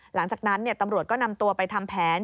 หลังจากนั้นตำรวจก็นำตัวไปทำแผน